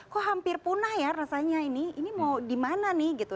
kok hampir punah ya rasanya ini ini mau dimana nih gitu